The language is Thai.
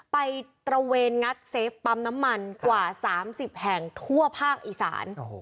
ตระเวนงัดเซฟปั๊มน้ำมันกว่า๓๐แห่งทั่วภาคอีสาน